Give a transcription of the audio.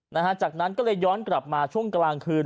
นะฮะจากนั้นก็เลยย้อนกลับมาช่วงกลางคืน